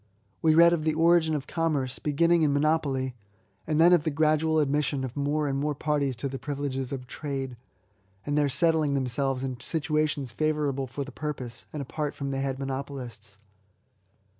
We read of the origin of Commerce, beginning in monopoly ; and then of the gradual admission of more and more parties to the privileges of trade, and their settling themselves in situations favour able for the purpose, and apart from the head monopolists.